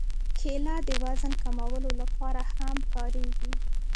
کېله د وزن کمولو لپاره هم کارېږي.